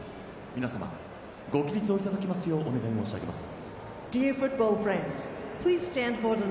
皆様、ご起立をいただきますようお願いいたします。